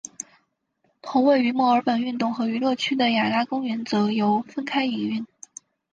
同位于墨尔本运动和娱乐区的雅拉公园则由分开营运。